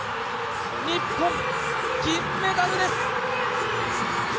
日本、銀メダルです。